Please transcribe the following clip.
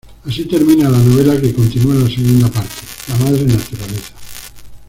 Así termina la novela, que continúa en la segunda parte "La madre naturaleza".